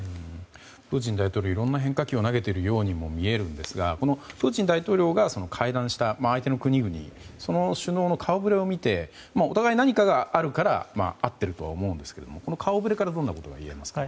プーチン大統領いろんな変化球を投げているようにも見えるんですがプーチン大統領が会談した相手の国々その首脳の顔ぶれを見てお互いに何かがあるから会ってるとは思うんですがこの顔ぶれから何があると思いますか。